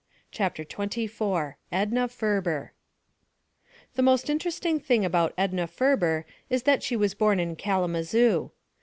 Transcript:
CHAPTER XXIV EDNA FERBER THE most interesting thing about Edna Ferber is that she was born in Kalamazoo.